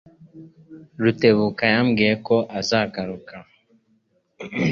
Rutebuka yambwiye ko azagaruka.